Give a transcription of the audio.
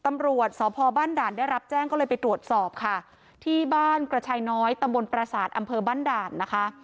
ตำรวจสพบ้านด่านได้รับแจ้งก็เลยไปตรวจสอบค่ะที่บ้านกระชายน้อยตำบลประสาทอำเภอบ้านด่านนะคะ